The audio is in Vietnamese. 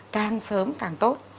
càng sớm càng tốt